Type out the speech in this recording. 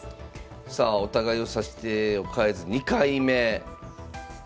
さあお互い指し手を変えず２回目。